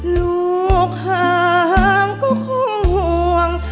ลูกห่างก็คงห่วง